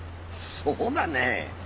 そうだねえ。